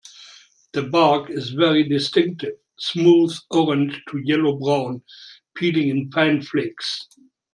The bark is very distinctive, smooth orange to yellow-brown, peeling in fine flakes.